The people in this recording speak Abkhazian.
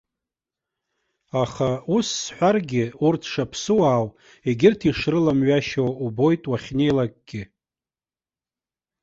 Аха, ус сҳәаргьы, урҭ шаԥсыуаау, егьырҭ ишрыламҩашьо убоит уахьнеилакгьы.